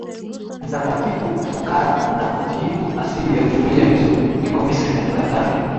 mtakatifu ufukara na utiifu Asili ya jumuiya hizo iko Misri Katika karne